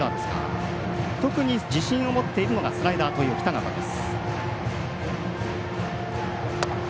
特に自信を持っているのがスライダーという北方です。